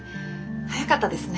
早かったですね。